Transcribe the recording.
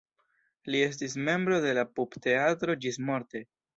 Li estis membro de la Pupteatro ĝismorte.